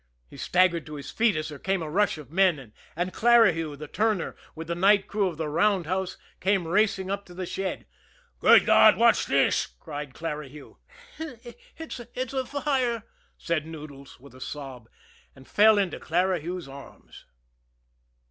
He staggered to his feet as there came a rush of men, and Clarihue, the turner, with the night crew of the roundhouse came racing up the shed. "Good God, what's this!" cried Clarihue. "It's it's a fire," said Noodles, with a sob and fell into Clarihue's arms.